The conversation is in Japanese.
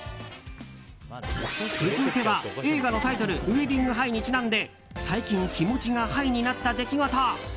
続いては映画のタイトル「ウェディング・ハイ」にちなんで最近、気持ちがハイになった出来事。